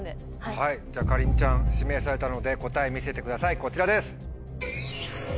はいじゃかりんちゃん指名されたので答え見せてくださいこちらです。